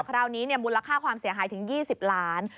คราวนี้มูลค่าความเสียหายถึง๒๐ล้าน